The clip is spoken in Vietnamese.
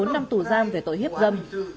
một mươi bốn năm tù giam về tội hiếp dâm